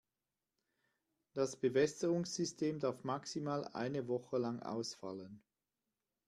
Das Bewässerungssystem darf maximal eine Woche lang ausfallen.